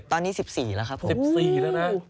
ตอนนี้๑๔แล้วครับผม